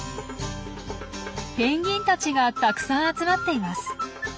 ペンギンたちがたくさん集まっています。